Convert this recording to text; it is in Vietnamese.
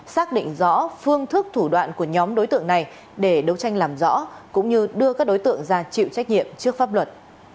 xác định rõ phương thức thủ đoạn của nhóm đối tượng này để đấu tranh làm rõ cũng như đưa các đối tượng ra chịu trách nhiệm trước pháp luật